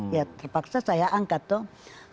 ya terpaksa saya angkat dong